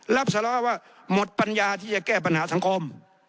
รับสารภาพว่าหมดปัญญาที่จะแก้ปัญหาสังคม